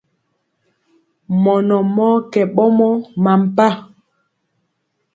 Mɔnɔ mɔɔ kɛ ɓɔmɔ mampa.